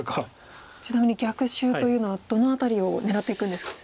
ちなみに逆襲というのはどの辺りを狙っていくんですか。